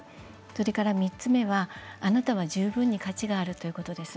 それから３つ目はあなたは十分に価値があるということです。